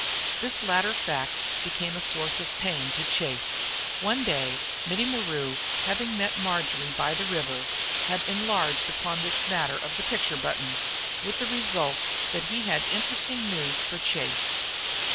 This latter fact became a source of pain to Chase. One day Mittie Maru, having met Marjory by the river, had enlarged upon this matter of the picture buttons, with the result that he had interesting news for Chase.